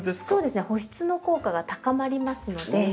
そうですね保湿の効果が高まりますので。